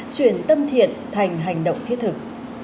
chuyển tâm thiện thành hành động thiết thực